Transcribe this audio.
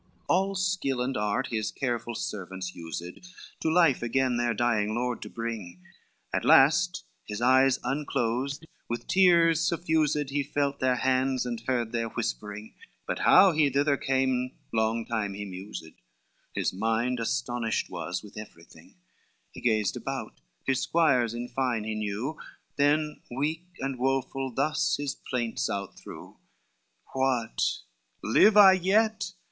LXXIV All skill and art his careful servants used To life again their dying lord to bring, At last his eyes unclosed, with tears suffused, He felt their hands and heard their whispering, But how he thither came long time he mused, His mind astonished was with everything; He gazed about, his squires in fine he knew, Then weak and woful thus his plaints out threw: LXXV "What, live I yet?